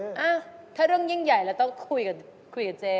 คะถ้าเรื่องยิ่งใหญ่แล้วต้องคุยกับเจ๊